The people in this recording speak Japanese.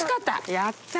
やった！